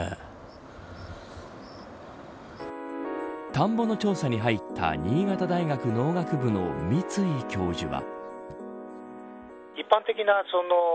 田んぼの調査に入った新潟大学農学部の三ツ井教授は。